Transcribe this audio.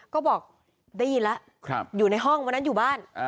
ก็บอกได้ยินแล้วอยู่ในห้องวันนั้นอยู่บ้าน